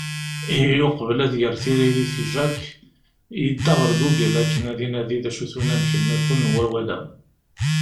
Ihi uqbel ad yerr tiririt i Jack, yedda ar Google akken ad inadi d acu-t unamek-nniḍen n wawal-a.